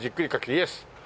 イエス。